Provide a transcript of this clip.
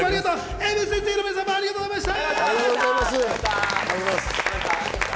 Ａ．Ｂ．Ｃ−Ｚの皆さんもありがとうございました。